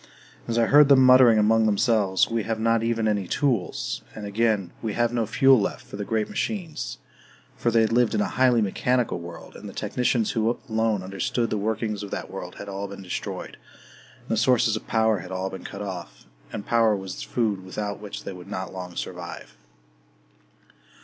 And I heard them muttering among themselves, "We have not even any tools!", and again, "We have no fuel left for the great machines!" ... For they had lived in a highly mechanical world, and the technicians who alone understood the workings of that world had all been destroyed, and the sources of power had all been cut off and power was the food without which they could not long survive.